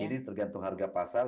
ini tergantung harga pasar